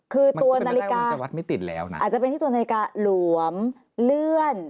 คือตัวนาฬิกาอาจจะเป็นที่ตัวนาฬิกาหลวมเลื่อน